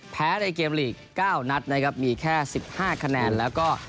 แพ้ในเกมลีก๙นัดนะครับมีแค่๑๕คะแนนแล้วก็